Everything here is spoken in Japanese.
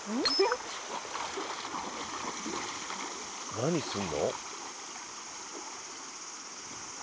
何すんの？